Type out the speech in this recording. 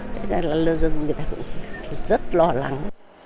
thế ra là người dân rất lo lắng